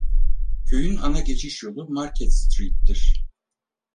Köyün ana geçiş yolu Market Street’tir.